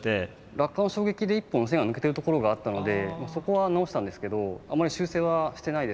落下の衝撃で１本線が抜けてる所があったのでそこは直したんですけどあんまり修正はしてないです。